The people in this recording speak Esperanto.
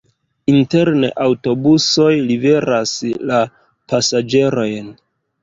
Interne aŭtobusoj liveras la pasaĝerojn.